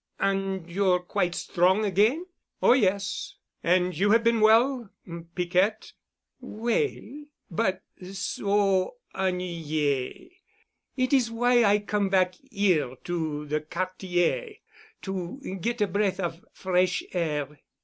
"And you're quite strong again?" "Oh yes. And you have been well—Piquette?" "Well—but so ennuyée. It is why I come back here to de Quartier to get a breath of fresh air.